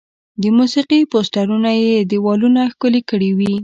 د موسیقي پوسټرونه یې دیوالونه ښکلي کړي وي.